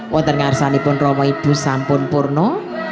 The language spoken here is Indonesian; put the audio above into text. kuatan ngarasalipun romo ibu sampun porno